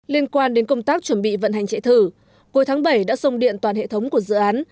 liên quan đến công tác chuẩn bị vận hành chạy thử cuối tháng bảy đã xông điện toàn hệ thống của dự án